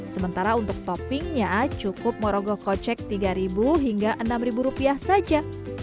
sementara untuk toppingnya cukup morogokocek tiga hingga enam rupiah saja